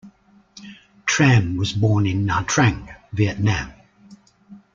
Tran was born in Nha Trang, Vietnam.